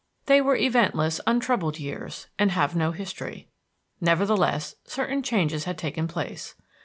They were eventless, untroubled years, and have no history. Nevertheless, certain changes had taken place.